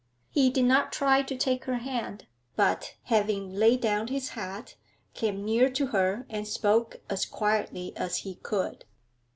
He did not try to take her hand, but, having laid down his hat, came near to her and spoke as quietly as he could.